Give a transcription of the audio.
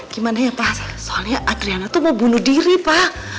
gimana ya pa soalnya adriana tuh mau bunuh diri pa